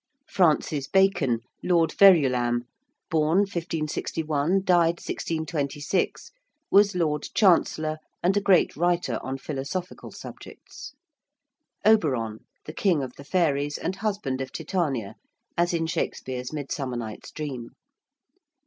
~Francis Bacon~, Lord Verulam (born 1561, died 1626), was Lord Chancellor and a great writer on philosophical subjects. ~Oberon~: the king of the fairies and husband of Titania, as in Shakespeare's 'Midsummer Night's Dream.'